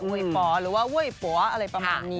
นี่แหละเว้ยป๋อหรือว่าเว้ยป๋ออะไรประมาณนี้